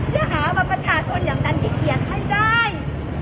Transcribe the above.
จะหาประชาชนอย่างนั้นเกียรติให้ได้